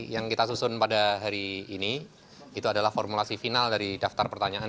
yang kita susun pada hari ini itu adalah formulasi final dari daftar pertanyaan